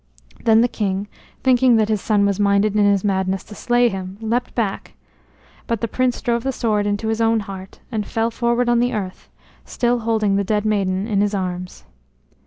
Then the king, thinking that his son was minded in his madness to slay him, leapt back, but the prince drove the sword into his own heart and fell forward on the earth, still holding the dead maiden in his arms.